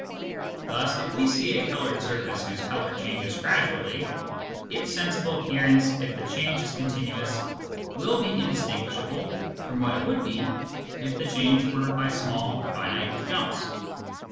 Thus, if we see a coloured surface whose colour changes gradually, its sensible appearance if the change is continuous will be indistinguishable from what it would be if the change were by small finite jumps.